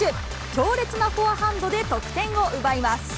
強烈なフォアハンドで得点を奪います。